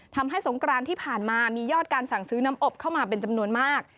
สงกรานที่ผ่านมามียอดการสั่งซื้อน้ำอบเข้ามาเป็นจำนวนมาก